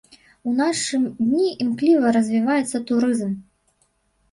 У нашы дні імкліва развіваецца турызм.